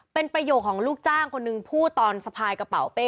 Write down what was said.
เป็นประโยคของลูกจ้างคนหนึ่งพูดตอนสะพายกระเป๋าเป้